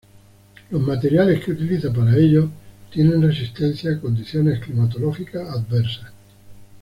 Los materiales que utiliza para ello tienen resistencia a condiciones climatológicas adversas.